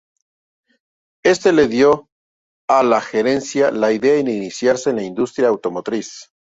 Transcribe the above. Esto le dio a la gerencia la idea de iniciarse en la industria automotriz.